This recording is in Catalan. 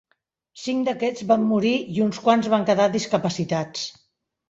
Cinc d'aquests van morir i uns quants van quedar discapacitats.